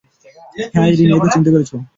হ্যাঁ, ইরিন, এইতো চিনতে পেরেছ।